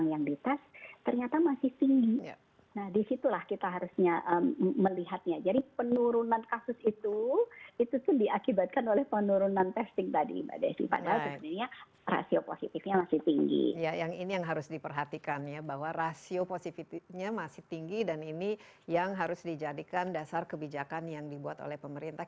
ya ini yang harus diperhatikan ya bahwa rasio positivity nya masih tinggi dan ini yang harus dijadikan dasar kebijakan yang dibuat oleh pemerintah